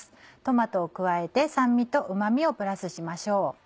トマトを加えて酸味とうま味をプラスしましょう。